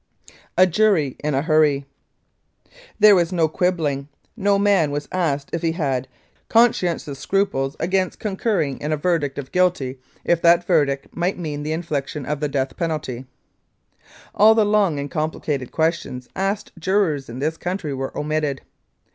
"A JURY IN A HURRY "There was no quibbling; no man was asked if he had 'conscientious scruples against concurring in a 254 The Benson Murder and Arson verdict of guilty if that verdict might mean the infliction of the death penalty.' All the long and complicated questions asked jurors in this country were omitted.